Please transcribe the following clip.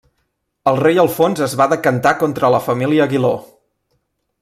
El rei Alfons es va decantar contra la família Aguiló.